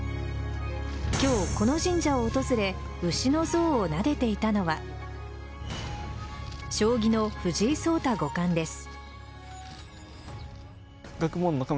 今日、この神社を訪れ牛の像をなでていたのは将棋の藤井聡太五冠です。